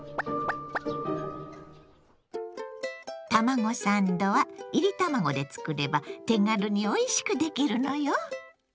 卵サンドはいり卵で作れば手軽においしく出来るのよ。